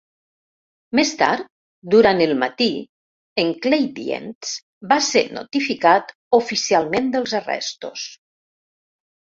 Més tard durant el matí en Kleindienst va ser notificat oficialment dels arrestos.